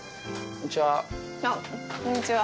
こんにちは。